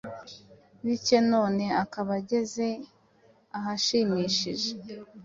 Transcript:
bike none akaba ageze ahashimishije.